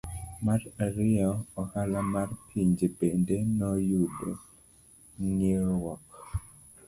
Mar ariyo, ohala mar pinje bende noyudo ng'ikruok.